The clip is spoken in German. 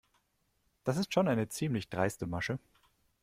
Das ist schon eine ziemlich dreiste Masche.